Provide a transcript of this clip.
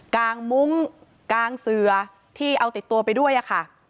กางมุ้งกางเสือที่เอาติดตัวไปด้วยค่ะ